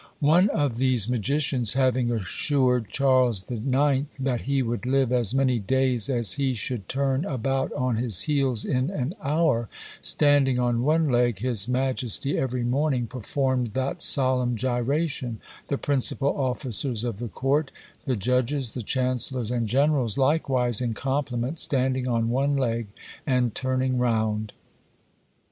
One of these magicians having assured Charles IX. that he would live as many days as he should turn about on his heels in an hour, standing on one leg, his majesty every morning performed that solemn gyration; the principal officers of the court, the judges, the chancellors, and generals, likewise, in compliment, standing on one leg and turning round!